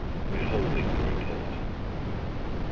WITHHOLDING THE REPORT. "Dec.